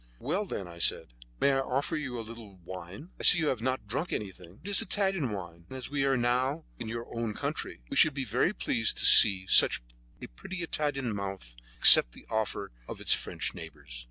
"Well, then," I said, "may I offer you a little wine? I see you have not drunk anything. It is Italian wine, and as we are now in your own country, we should be very pleased to see such a pretty Italian mouth accept the offer of its French neighbors."